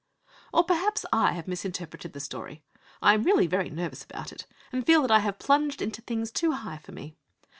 Or perhaps I have misinterpreted the story. I am really very nervous about it, and feel that I have plunged into things too high for me.